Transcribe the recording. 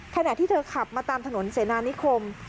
ขณะที่เธอขับมาตามถนนเสนานิคม